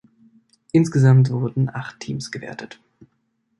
Insgesamt wurden acht Teams gewertet.